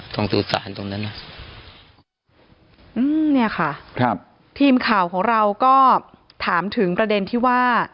สงสารตรงนั้นน่ะอืมเนี่ยค่ะครับทีมข่าวของเราก็ถามถึงประเด็นที่ว่า